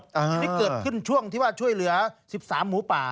อันนี้เกิดขึ้นช่วงที่ว่าช่วยเหลือ๑๓หมูป่า